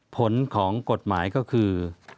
ผลของกฎหมายก็คือ